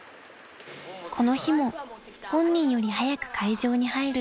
［この日も本人より早く会場に入ると］